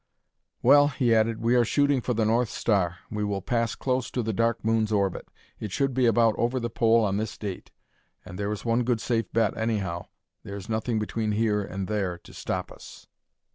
"Well," he added, "we are shooting for the North Star. We will pass close to the Dark Moon's orbit; it should be about over the Pole on this date. And there is one good safe bet, anyhow; there is nothing between here and there to stop us."